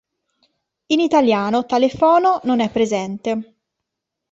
In italiano tale fono non è presente.